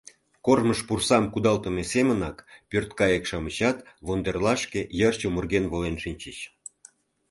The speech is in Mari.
Кормыж пурсам кудалтыме семынак, пӧрткайык-шамычат вондерлашке йыр чумырген волен шинчыч.